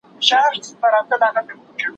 غوږ یې ونیوی منطق د زورور ته